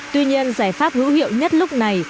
tuy nhiên giải pháp hữu hiệu nhất lúc này